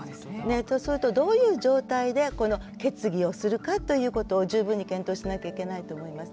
そうするとどういう状態でこの決議をするかっていうことを十分に検討しなきゃいけないと思います。